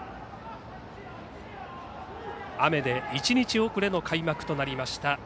雨で１日遅れの開幕となりました